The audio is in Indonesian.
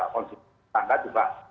konsumsi tangga juga